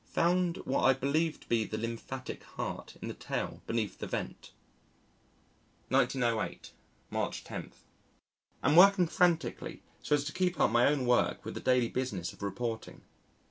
Found what I believe to be the lymphatic heart in the tail beneath the vent. 1908 March 10. Am working frantically so as to keep up my own work with the daily business of reporting.